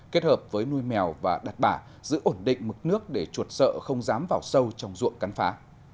kết hợp với nuôi mèo và đặt bả giữ ổn định mực nước để chuột sợ không dám vào sâu trong ruộng cắn phá